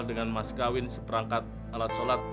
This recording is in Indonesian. dengan mas kawin seperangkat alat sholat